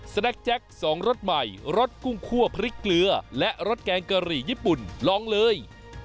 แนคแจ็ค๒รสใหม่รสกุ้งคั่วพริกเกลือและรสแกงกะหรี่ญี่ปุ่นลองเลย